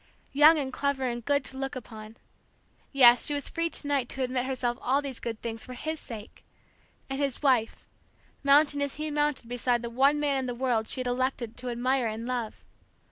Young and clever and good to look upon, yes, she was free to night to admit herself all these good things for his sake! and his wife, mounting as he mounted beside the one man in the world she had elected to admire and love.